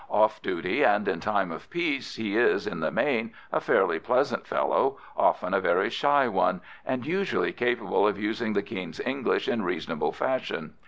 Off duty and in time of peace he is, in the main, a fairly pleasant fellow, often a very shy one, and usually capable of using the King's English in reasonable fashion.